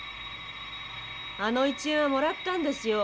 あの１円はもらったんですよ。